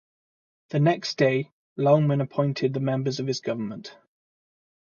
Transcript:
The next day Loughman appointed the members of his government.